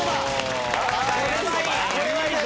これはいい。